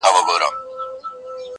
غزل مې نظم کړو په دومره اسان کړے مې دی